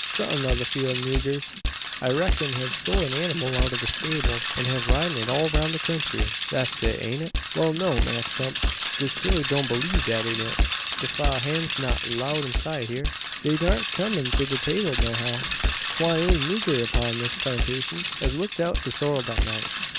Some o' the field niggers, I reck'n, hev stole the anymal out o' the stable, an hev been ridin' it all roun' the country. That's it, ain't it?" "Well, no, Mass' Tump. Dis chile doan believe dat am it. De fiel' hands not 'lowed inside hyur. Dey darn't kum in to de 'table no how. 'Twan't any nigger upon dis plantashun as tooked out de sorrel dat night."